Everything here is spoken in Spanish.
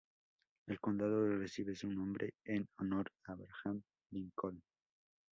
El condado recibe su nombre en honor a Abraham Lincoln.